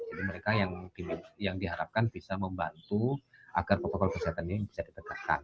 jadi mereka yang diharapkan bisa membantu agar protokol kesehatan ini bisa ditegakkan